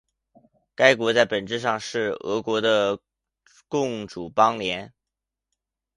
该国在本质上是俄国的共主邦联。